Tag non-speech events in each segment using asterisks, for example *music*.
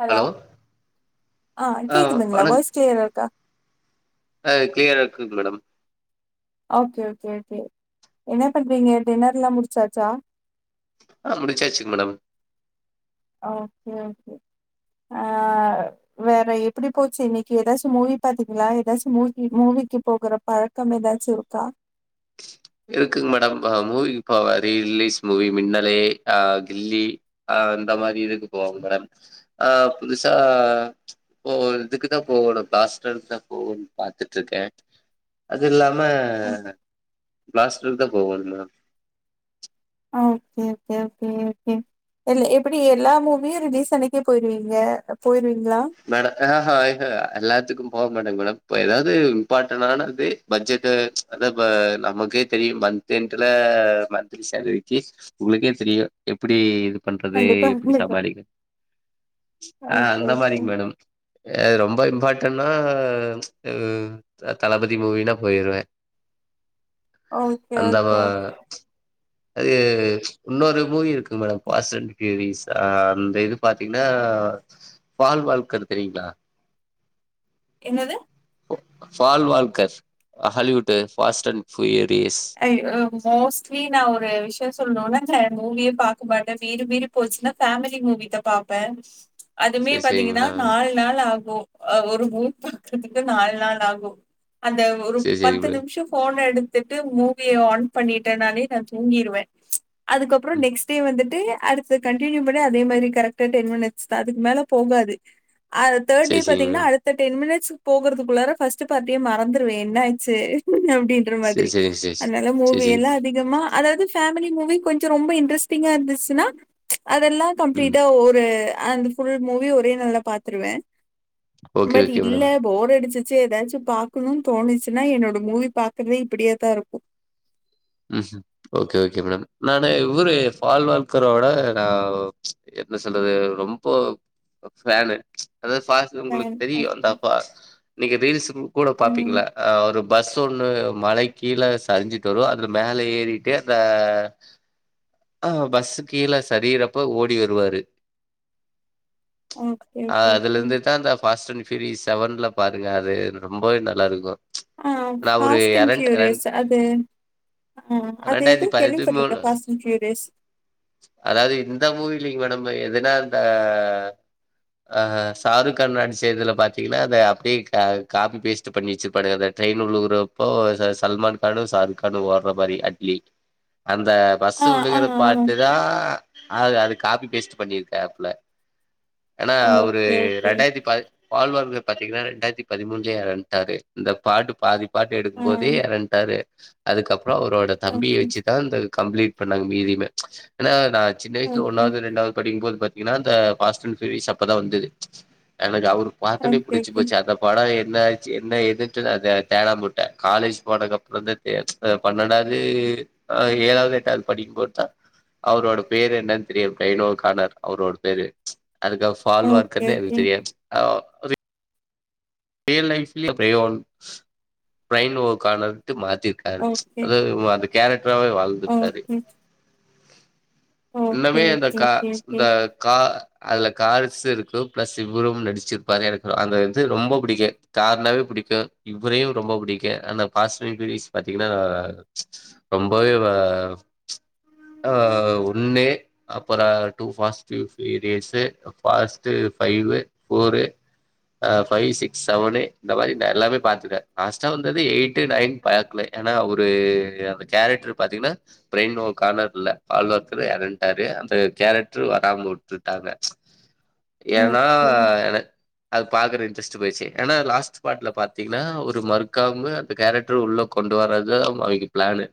Hello ஆ கேக்குதுங்ளா voice கிளியரருக்கா அ கிளியரா இருக்குங் மேடம் ஓகே ஓகே ஓகே என்ன பண்றீங்க டின்னர்லா முடிச்சாச்சா ஆஹ் முடிச்சாச்சுங் மேடம் அ ஓகே ஓகே ஆ வேற எப்பிடி போச்சு இன்னிக்கி எதாச்சு மூவி பாத்தீங்ளா எதாச்சு மூவி மூவிக்கு போகற பழக்கம் எதாச்சு இருக்கா இருக்குங் மேடம் அ மூவிக் போவ ரீ லீஸ் மூவி மின்னலே அ கில்லி அ அந்த மாதிரி இதுக்கு போவங் மேடம் ஆ புதுசா ப்போ இதுக்குதா போவோணு பிளாஸ்டர்க்தா போகோன் பாத்துட்ருக்கே அது இல்லா ம பளாஸ்டர்க்தா போகோணு மேம் அ ஒக்கே ஒக்கே ஒக்கே ஒகே எல் எப்பிடி எல்லா மூவியு ரிலீஸ் அன்னைக்கே போயிருவீங்க போயிருவீங்ளா ஆஹ ஐஹ எல்லாத்துக்கும் போவ மாட்டே மேடம் இப்ப எதாவது இம்பாட்டன்னானது பட்ஜெட்டு அத இப்ப நமக்கே தெரியு மந்த் எண்ட்ல மந்த்லி சேலரிக்கி உங்ளுக்கே தெரியு எப்டி இது பண்றது கண்டிப்பா எப்பிடி கண்டிப்பா சமாளிக்க அ ஓகே அந்த மாரி ஓகே மேடம் எ ரொம் ரொம்ப இம்பாட்டன்னா எ த தளபதி மூவினா போயிருவே ஓகே அந்த மா ஓகே ஓகே அது இன்னொரு மூவி இருக்கு மேடம் பாஸ்ட் அண்ட் ஃப்யூரிஸ் அந்த இது பாத்தீங்ன்னா பால் வாழ்கர் தெரியீங்ளா என்னது Paul Walker Hollywood fast and furious அய் ஓ மோஸ்ட்லி நா ஒரு விஷ்ய சொல்ணுனா ந்த மூவியே பா க்க மாட்டே மீறி மீறி போச்சுன்னா ஃபேமிலி மூவிதா பாப்பே அதுமே சேரி சேரிங்க பாத்திங்கனா மேடம் நால் நாள் ஆ மு அ ஒரு மூவி பாக்கறதுக்கு நால் நாள் ஆகு அந்த ஒரு சேரி சேரிங்க பத்து மேடம் நிம்ஷோ ஃபோன எடு ட்டு மூவிய ஆன் பண்ணிட்டேன்னாலே நா தூங்கிருவே அதுக்கப்புறோ ம் நெக்ஸ்டே வந்து டு அடுத்து கண்டினியூ பண்ணா அதே மாரி கரெக்டா டென் மினிட்ஸ் தா அதுக்கு மேல போகாது ஆ தேட்டி சேரி சேரிங்க பாத்தீங்கனா மேடம் அடுத்த டென் மினிட் ஸு போகறதுக்குள்ளார ஃபஸ்ட்டு பார்ட்டே மறந்துருவே என்ன ஆச்சு அப்டின்ற சேரி மாதிரி சேரிங்க சிஸ் அதனால சேரி மூவி சேரி எல்லா அதிகமா அதாவது ஃபேமிலி மூவி கொஞ்ச ரொம்ப இன்ட்ரஸ்ட்டிங்கா இருந்துச்சுன்னா அதெல்லா ம் கம்ப்ளீட்டா ஒரு அந்த ஃபுல் மூவி ஒரே நாள்ல பாத்துருவே ஓகே பட் ஓகே இல்ல மேடம் போர் அடிச் சு எதாச்சு பாக்கணுன் தோணுச்சுனா என்னோட மூவி பாக்கறதே இப்படியா தா இருக்கு ம் ம் ஓகே ஓகே மேடம் நானு இவரு ஃபால் வால்கரோட நா என்ன சொல்றது ரொம்ப அ ஃபேனு அதாது ஃபாஸு ஃபேன் உங்களுக் தெரியு ஓகே. அந்த ஃபாஸ் நீங்க ரீல்ஸு ம் கூட ம். பாப்பீங்ல்ல அ ஒரு பஸ் ஒன்னு மலைக் கீழ சரிஞ்சிட்டு வரு அது மேல ஏறிட்டு அங்க ஆஹ் பஸ்ஸு கீழ சரிறப்ப ஓடி வருவாரு ஓகே, ஓகே, அஹ் ஓகே. அதுலருந்து தா அந்த ஃபாஸ் *unintelligible* ஃபீவி செவன்ல பாருங்க அது ரொம்பவே நல்லாருக்கு ஆ அ ஃபாஸ்டன் ஃபியூரியஸ் அது அது எதோ கேள்விப்பட்ருக்கே ஃபாஸ்டன் ஃபியூ அதாவ்து இந்த மூவி *unintelligible* மேடம் அ எதுனா அந்த அ ஷாருகான் நடிச்சதுல பாத்தீங்கன்னா அத அப்டியே க காப்பி பேஸ்ட்டு பண்ணி வெச்சிருப்பானுங்க அத ட்ரெயினு உள்ள உட்றப்போ ச சல்மான் கானு ஷாருக்கானு ஓட்ற மாரி அட்லி அந்த ஆ, பஸ்ஸு ஆ, வுழுகற ஆ. பார்ட்டு தா அது அது காப்பி பேஸ்ட்டு பண்ணிருக்காப்ல ஏனா அவுரு ஓகே, ஓகே. ரெண்டாயிரத்தி பத் பால் வால்க பாத்தீங்கனா ரெண்டாயிரத்தி பதிமூன்லயே எறந்ட்டாரு இந்த பார்ட்டு பாதி பார்ட் ஆ. எடுக்கும்போதே எறந்ட்டாரு அதுக்கப் றோ அவரோட தம்பிய ஓகே, வச்சுதா அந்த கம்ப்ளீட் பண்ணாங்க மீதியுமே ஏனா நா சின்ன வயசுல ஓகே, ஒன்னாவது ரெண்டாவது படிக்கும்போது பாத் தீங்னா அந்த ஃபாஸ்டன் ஃபியூரியஸ் அப்ப தா வந்துது எனக் அவரு பாத்தொன்னயே ஓகே, புடிச்சு ஓகே, போச்சு அந்த பட எ ன்ன ஆச்சு என்ன ஏதுன்ட்டு நா அத தேடமா உட்டே காலேஜ் போனக்ப்பறந்தா தேட் அ பன்னண்டாவது அ ஏழாவது எட்டாவது படிக்கும்போதுதா அவரோட பேரு என்னன்னு தெரியும் வைனோவ கானர் அவரோட பேரு அதுக்கு ஃபால்வா ஓகே, இருக்கர்தே ஓகே. விஜய்யன் அது ரியல் லைப் பிரயோன் ப்ரைன் ஒர்க்க ஆனத் மாத்திருக்காரு ஓகே. அதுவே மாத்தி கேரட் ராவே வாழ்ந்துக்காரு ஓகே ஓகே இன்னமே இந்த ஓகே காஸ் ஓகே இந்த கா அதுல காரஸ்ம் இருக்கும் பிளஸ் இவரும் நடிச்சிருப்பரு எனக்கு அந்த வந்து ரொம்ப பிடிக்கும் கார்னாவே பிடிக்கும் இவரையும் ரொம்ப பிடிக்கும் ஆன பாஸ் லைப்வைஸ் பாத்தீங்கன்னா ரொம்பவே ஆ ஒன்னு அப்பறம் two positive periods past five four அ ஃபைவ் சிக்ஸ் செவனு இந்த மாதிரி நெ எல்லாமே பாத்துட்டேன் லாஸ்ட்டா வந்தது எய்ட் நைன் பாக்கல ஏன்னா ஒரு அந்த கேரக்டர் பாத்தீங்கன்னா பிரைன்னோ கார்னர் இல்ல ஆல்வார் இறண்டாரு அந்த கேரக்டரு வராம உட்டுட்டாங்க ஏனா ஓகே ஓகே அது பாக்குற இன்ட்ரெஸ்ட்போயிடுச்சு ஏன்னா லாஸ்ட் பார்ட்ல பாத்தீங்கன்னா ஒரு மறுக்காவுமே அந்த கேரக்டர் உள்ள கொண்டு வர்றதுதா அவிய்ங்க பிளானு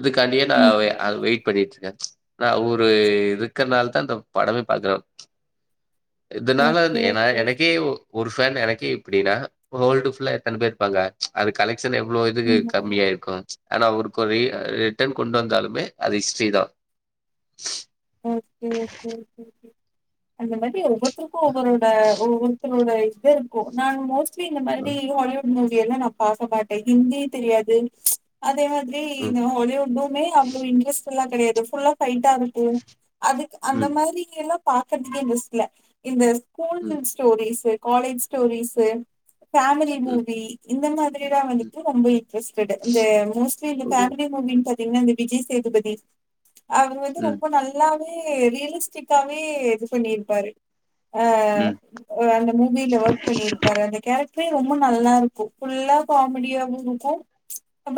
இதுக்காண்டியே ம் நாவு ம் அ வெயிட் பண்ணிட்டு எ நா அவுரு இருக்கறனால தா இந்த படமே பாக்குற இதனாலா ஓகே ஓகே எனக்கே ஒரு ஃபேன் எனக்கே அப்டின்னா வோல்டுபுல்ல எத்தன பேர் இருப்பாங்க அது கலெக்ட் ச்சுனா எவ்ளோ இதுக்கு ம் கம்மியா இருக்கு ஆனா அவருக்கு ஒரி ரிட்டர்ன் கொண்டு வந்தாலுமே அது ஹிஸ்ட்ரி தா ஓக்கே ஓகே ஓகே ஓகே அந்த மாதிரி ஒவ்வொருத்தரு அவரோட ஒ ஒருத்ரோட பேர்க்கோம் நாங் மோஸ் லி இந்த மாரி ம், ஹாலிவுட் மூவி எல்லாம் நா பார்க்க மாட்டே ஹிந்தி தெரியாது அத் அதே மாதிரி ம், ஹாலிவுட்டுமே அவ்ளோ இன்ட்ரஸ்ட் ஃபுல்லா கிடையாது ஃபுல்லா பைட்டா இருக்கு அதுக்கு அந்த ம், மாதிரி எல்லா பாக்கரதுக்கே இன்ட்ரெஸ்ட் இல்ல இந்த போன்னு ம், ஸ்டோரிஸு காலேஜ் ஸ்டோரிஸு ஃபேமிலி ம், மூவி இந்த மாதிரிதா ம். வந்துட்டு ரொம்ப இட்ரெஸ்டட்டு இந்த மோஸ்ட்லி இந்த ஓகே. ஃபேமிலி மூவி பத் தெங்கனா விஜய் சேதுபதி அவர் வந்து ம், ரொம் நல்லாவே ரியலிஸ்டிக்காவே இது பண்ணிருப்பாரு அ ம், அந்த மூவில ஒர்க் பண்ணியிருப்பாரு அந்த கேரக் அப்பயு ரொம்ப நல்லா இருக்கு ஃபுல்லா காமெடியாவு இருக்கு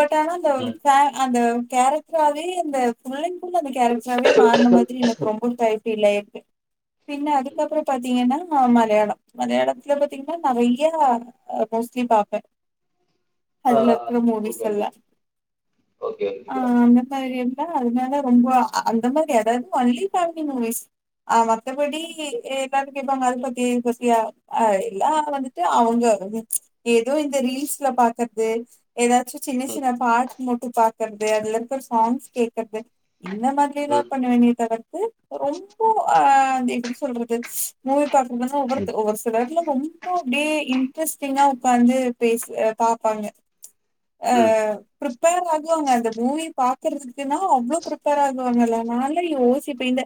பட் ஆனா அந்த ம். ஃபேன் அந்த கேரக்ட்ராவே அந்த ஃபுல் அண்ட் ஃபுல் அந்த கேரக்ட்ராவே மாறுன மாதிரி எனக்கு ரொம்பவு டயிட் இதுல இருக்கு பின்ன அதுக்கப்பறோ பாத்தீங்கன்னா மலையாளம் மலையாளத்துல பாத்தீங்கன்னா நெறய மோஸ்ட்லி பாப்பே ஆ அதுல இருக்குற ஓகே, மூவிஸ் ஓகே. எல்லா ஓகே, ஓகே ஆ மேடம். அந்த மாதிரி என் ன அதனால ரொம்ப ஆ ஆ அந்த மாரி ஏதாவது ஒன்லி ஃபேமிலி மூவிஸ் ஆ மத்தபடி எப்பயாது கேப்பாங்க அது பத்தியா இது பத்தியா அது எல்லா வந்துட்டு அவங்க ஏதோ இந்த ரீல்ஸ்ல பாக்க து ஏதாச்சும் சின்ன ம், சின்ன பாட்ஸ் மட்டும் பாத் க்கறது அதல இருக்க சாங்ஸ் கேக்கற்து இந்த மாதிரி எல்லா ம், இத வந்து அ ரொம்போ அ அது எப்புடி சொல்றது *unintelligible* தொரந்தன்னா ம், ஒவ்வொருத்து ஒவ்வொரு சிலர்லா ரொம்போ அப்டே இம் இன்ட்ரஸ்டிங்கா உக்காந்து பேஸ் அ பாப்பாங்க அ ம், ப்பிரிப்பேர் ஆகுவாங்க அந்த மூவி பாக்குறதுக்கன்னா அவ்ளோ ப்பிரிப்பேர் ஆகுவாங்க எல்லா நா ல்லா யோசிப்பேன் இந்த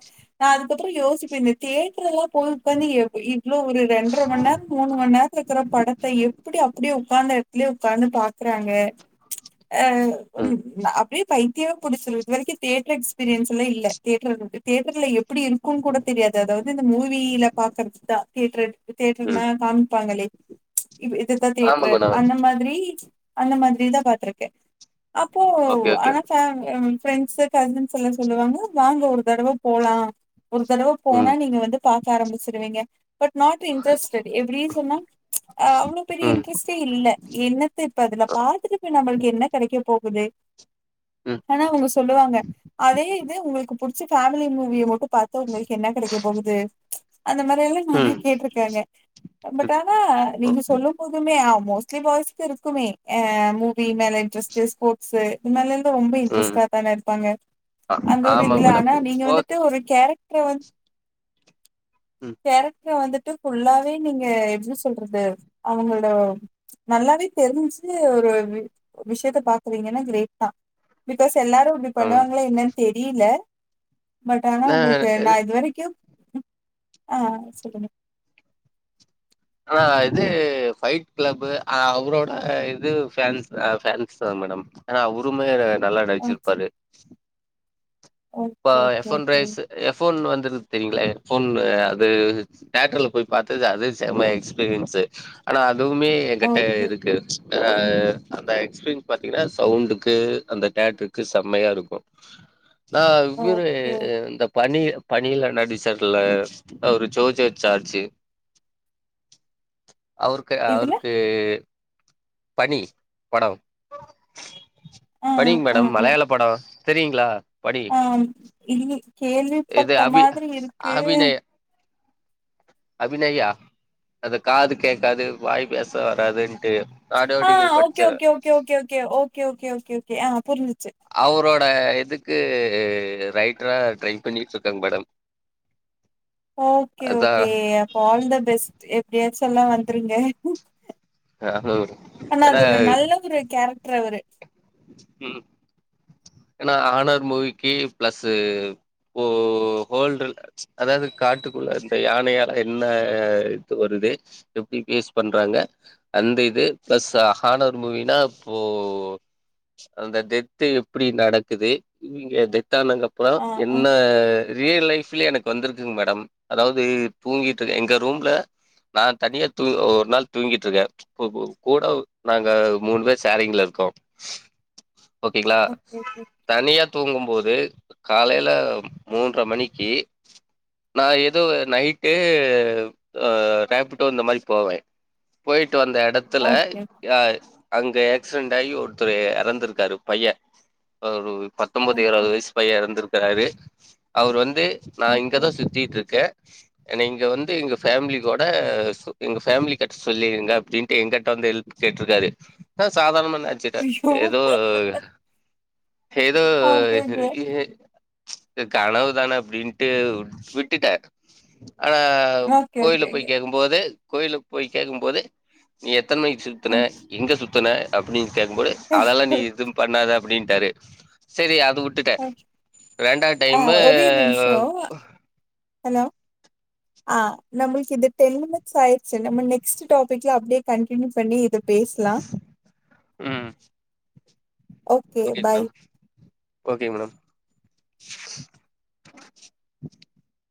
அதுக்கப்புறோ யோசிப்பேன் இந்த தியேட்டர் எல்லா போறத்தானே எவ் இவ்ளோ ஒரு ரெண்ட்ர மண் நேரம் மூணு மண் நேரம் இருக்குறப் படத்த எப்புடி அப்புடியே உக்காந்த இட்த்துலயே உக்காந்து பாக்குறாங்க அ ம் அப்புடியே பைத்தியம் புடிச்சிரும் இது வரைக்கும் தியேட்டர் எக்ஸ்பீரியன்ஸ் அப்புல்லா இல்ல தியேட்டர் வந்துட்டு தியேட்டர்ல எப்புடி இருக்கும்னு கூட தெரியாது அதாவது இந்த மூவில பாக்கறது தான் தியேட்டரு தியேட்டர்னா ம் காமிப்பாங்களே இப்ப இதுதா தியேட்டரு ஆமாங்க மேடம். அந்த மாதிரி அந்த மாதிரி தா பாத்திருக்கே அப்போ ஓகே, ஓகே. ஆனா ஃபேம் ஃப்ரண்டஸு கசின் சொல்ல சொல்லுவாங்க வாங்க ஒரு தடவ போலா ஒரு தடவ போனா ம், நீங்க வந்து பாக்க ஆரம்பிச்சிருவிங்க பட் நாட் இன்ட்ரெஸ்ட்டடு இப்டி சொன்னா அ அவ்ளோ பெரிய ம், இன்ட்ரஸ்ட்டே இல்ல என்னத்த இப்ப அதுல பாத்துட்டு போய் நம்மளுக் என்ன கெடைக்க போகுது ம், ம், ஆனா அவுங்க சொல்லுவாங்க அதே இது உங்களுக்கு புடிச்ச ஃபேமிலி மூவிய மட்டு பாத்தா உங்களுக்கு என்ன கெடைக்க போகுது அந்த மாறில்லா நெறைய ம், கேட்ருக்காங்க பட் ஆனா ஓ- நீங்க சொல்லும் போதுமே மோஸ்ட்லி பாய்ஸ்க்ருக்குமே மூவி மேல இன்ட்ரஸ்ட்டு ஸ்போட்ஸு இது மேலலா ரொம்ப ம். இன்ட்ரஸ்ட்டா தான இருப்பாங்க ஆ அந்த ஒரு ஆமாங்க இதுல மேடம். ஆனா நீங்க போ வந்துட்டு ஒரு கேரக் ம், கேரக்டர வந்துட்டு ஃபுல்லாவே நீங்க எப்டி சொல்றது அவுங்ளோட நல்லாவே தெரிஞ்சு ஒரு விஷயத்த பாக்குறீங்கனா கிரேட் தா பிகாஸ் எல்லாரு அப்டி ஆமாங்க. பண்ணுவாங் என்னன் தெரில பட் ஆனா உங்களுக்கு நான் நா இது வரைக்கு ஆ சொல்லுங்க அ இது ஃபைட் கிளப் அவரோட இது ஃபேன்ஸ் ஃபேன்ஸ்தா மேடம் எனா அவ்ருமே நல்லா நடுச்சிர்ப்பாரு ஓகே இப்பா okay iPhone okay rice iPhone one தெரியுங்ளா போன் அது தேட்டர்ல போய் பார்த்து அது செம எக்ஸ்பீரியன்ஸு ஆனா அது வுமே எகட்ட ஓகே ஓகே இருக்கு அந்த எக்ஸ்பீரியன்ஸ் பாத்தீங்கனா சவுண்டுக்கு அந்த தேட்ருக்கு செம்மையா இருக்கூ நா இவ்ரு ஓகே இந்த பனி பனில நடிசர்ல அவ்ரு ஜோஜே சார்ஜு அவர்கே இதுல அவருக்கு பனி பட ஆ பனிங் ஆ மேடம் மலையாள பட தெரியுங்ளா ஆ இது இது கேள்விப்பட்ட அபி மாதிரி இருக்கு அபிநய அபிநயா அது காது கேக்காது வாய் பேச வராது ஆ okay okay okay okay okay okay okay okay okay அ புரிஞ்சி அவரோ ட இதுக்கு ரைட்ரா ட்ரை பண்ணிட்ருக்கங் மேடம் ஓகே அதா ஓகே அப்போ ஆல் த பெஸ்ட் எப்டியாச்சு உள்ள வந்துருங்க ஆனா அது ஏன்னா ஒரு நல்லதொரு கேரக்ட்ரு அவரு ம் ஏனா ஹானர் மூவிக்கு ப்ளஸ் இப்போ ஹோல்டுல அதாது காட்டுக்குள்ள இந்த யானையால என்ன இது வருது எப்டி ஃபேஸ் பண்றாங்க அந்த இது பிளஸ் ஹானர் மூவினா இப்போ அந்த டெத்து எப்பிடி நடக்குது இவிங்க டெத் தானக்கப்பறோ ஆ ஆ என்ன ரியல் லைஃப்லயே எனக்கு வந்துருக்குங் மேடம் அதாவுது தூங்கிட்டு எங்க ரூம்ல நா தனியா தூ ஒரு நாள் தூங்கிட் இருக்க ப்ப கூ கூட நாங்க மூனு பேர் ஷேரிங்ல இருக்கோ ஓகேங்ளா ஓகே ஓகே தனியா தூங்கம் போது காலைல மூன்ற மணிக்கு நா ஏதோ நைட்டு ரேப்பிட்டோ இந்த மாரி போவே போயிட் டு வந்த எடத்துல ஓகே யா அங்க ஏக்சிடென்ட் ஆயி ஒருத்தரு எறந் இருக்காரு பைய அவுரு ஒரு பத்தொன்பது ஓகே இருபது வயசு பைய இறந்திருக்குறாரு அவரு வந் து நா ஓகே இங்கதா சுத்திட்டுருக்கே என்னையே இங்க வந்து எங்க ஃப்பேமிலி கூட அ எங்க ஃப்பேமிலி கட்ட சொல்லிருங்க அப்டின்ட்டு எங் கிட்ட வந்து ஹெல்ப் கேட்ருக்காரு ஆ சாதாரண நெனச்சிட்டே ஐயோ ஹெல்ப் அ ஏதோ ஓகே ஓகே கனவு தான அப்டின்ட்டு விட்டுட்ட ஆனா ஓகே கோயில்ல போய் ஓகே ஓகே கேக்கும் போது கோயில்ல போய் கேட்கும் போது நீ எத்தன மணிக்கு ஆ சுத்துன எங்க சுத்து துன அப்டினு கேட்கும் போது அதெல்லா நீ இதுவு பண்ணாத அப்டின்டாரு செரி அ உட்டுட்டே ரெண்டா ஆ டைமு ஒரே நிமிஷோ ஹலோ ஆ நம்மளுக்கு இது டென் மினிட்ஸ் ஆயிடுச்சு நம்ம நெக்ஸ்ட் டாபிக்ல அப்படியே கண்டியூ பண்ணி இது பேசலா ம் ஓகே பாய் ஓகே மேடம்